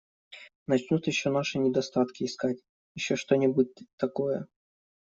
Начнут еще наши недостатки искать, еще что-нибудь такое.